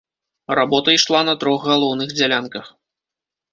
Работа ішла на трох галоўных дзялянках.